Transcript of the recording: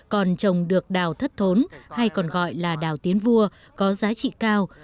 còn trồng được đào thất thốn hay còn gọi là đào tiến vua có giá trị cao